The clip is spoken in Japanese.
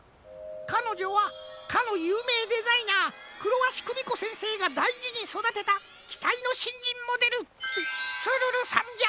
かのじょはかのゆうめいデザイナークロワシクミコせんせいがだいじにそだてたきたいのしんじんモデルツルルさんじゃ。